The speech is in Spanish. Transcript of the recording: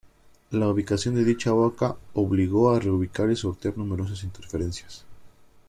La ubicación de dicha boca obligó a reubicar y sortear numerosas interferencias.